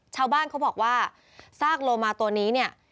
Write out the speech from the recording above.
ชาวบ้านเขาบอกว่าซากโลมาตัวนี้เนี่ย